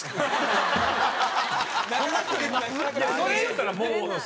それ言うたらもう。